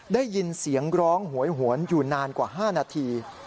ได้ยินเสียงร้องหวยหวนอยู่นานกว่า๕นาที